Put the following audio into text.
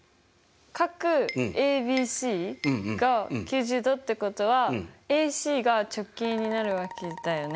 角ＡＢＣが９０°ってことはＡＣが直径になるわけだよね。